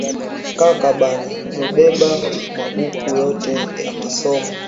Kaka bana mubeba ma buku yote ya masomo